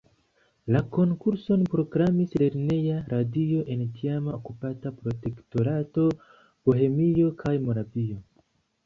La konkurson proklamis Lerneja radio en tiama okupata Protektorato Bohemio kaj Moravio.